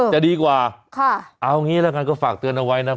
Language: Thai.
จะดีกว่าเอางี้แล้วกันก็ฝากเตือนเอาไว้นะ